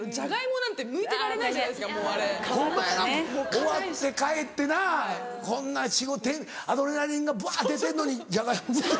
終わって帰ってなこんな仕事アドレナリンがバ出てんのにジャガイモむいて。